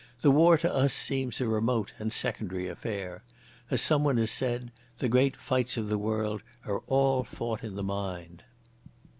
The war to us seems a remote and secondary affair. As someone has said, the great fights of the world are all fought in the mind."